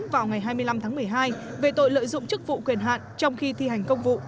vào ngày hai mươi năm tháng một mươi hai về tội lợi dụng chức vụ quyền hạn trong khi thi hành công vụ